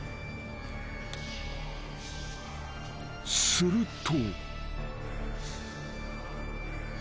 ［すると］